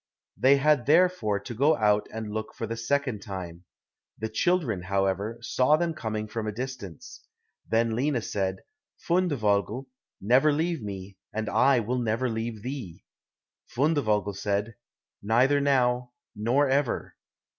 They had therefore to go out and look for the second time. The children, however, saw them coming from a distance. Then Lina said, "Fundevogel, never leave me, and I will never leave thee." Fundevogel said, "Neither now, nor ever."